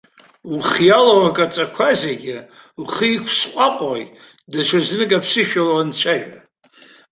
Ухы иалоу акаҵақәа зегьы ухы иқәысҟәаҟәоит даҽазнык аԥсышәала уанцәажәа!